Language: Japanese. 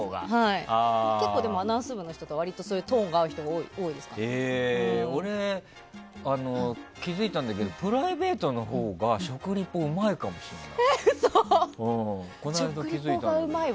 結構アナウンス部の人はそういうトーンが合う人が俺、気づいたんだけどプライベートのほうが食リポうまいかもしれない。